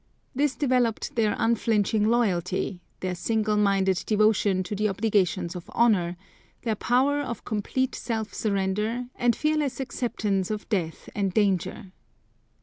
This developed their unflinching loyalty, their single minded devotion to the obligations of honour, their power of complete self surrender and fearless acceptance of death and danger.